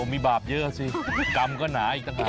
มีบาปเยอะสิกรรมก็หนาอีกต่างหาก